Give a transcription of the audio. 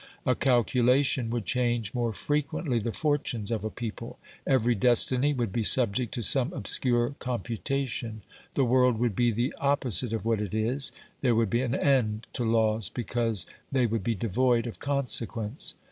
A calculation would change more frequently the fortunes of a people; every destiny would be subject to some obscure computa tion ; the world would be the opposite of what it is ; there would be an end to laws because they would be devoid of consequence.